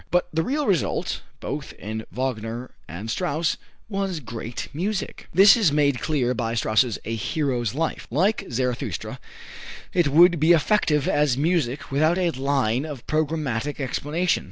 But the real result, both in Wagner and Strauss, was great music. This is made clear by Strauss's "A Hero's Life." Like "Zarathustra," it would be effective as music without a line of programmatic explanation.